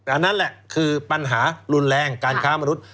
อันนั้นแหละคือปัญหารุนแรงการค้ามนุษย์